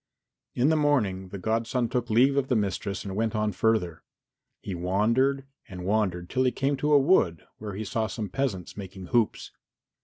In the morning the godson took leave of the mistress and went on further. He wandered and wandered till he came to a wood where he saw some peasants making hoops.